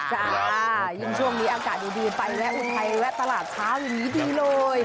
จ๊ะยังช่วงนี้อากาศดีไปแวะไทยแวะตลาดช้าอยู่นี้ดีเลย